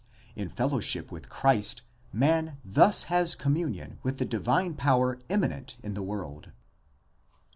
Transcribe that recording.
In fellowship with Christ man thus has communion with the divine power immanent in the world.